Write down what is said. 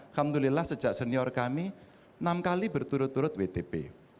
alhamdulillah sejak senior kami enam kali berturut turut wtp